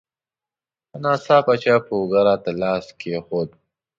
ناڅاپه چا په اوږه راته لاس کېښود.